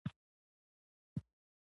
پنېر د ګرمۍ پر مهال ژر خرابیږي.